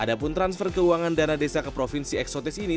adapun transfer keuangan dana desa ke provinsi eksotis ini